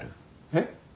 えっ？